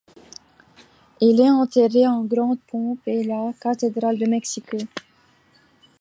Il est enterré en grande pompe en la cathédrale de Mexico.